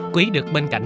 quý được bên cạnh